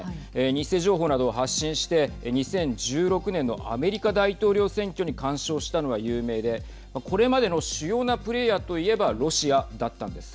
偽情報などを発信して２０１６年のアメリカ大統領選挙に干渉したのが有名でこれまでの主要なプレーヤーといえばロシアだったんです。